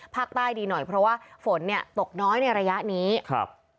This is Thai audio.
ภาคใต้ดีหน่อยเพราะว่าฝนเนี่ยตกน้อยในระยะนี้ครับ